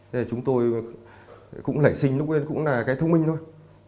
thế thì chúng tôi cũng lẩy sinh lúc ấy cũng là cái thông minh thôi